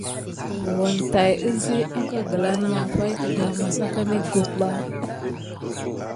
Bukine tay kizikia aka gəla nawua pay gedamase àka mekok ɓa.